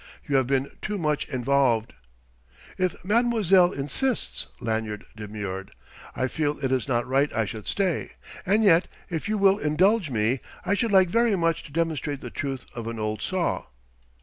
You have been too much involved " "If mademoiselle insists," Lanyard demurred. "I feel it is not right I should stay. And yet if you will indulge me I should like very much to demonstrate the truth of an old saw...."